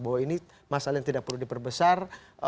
bahwa ini masalah yang tidak perlu diperbesar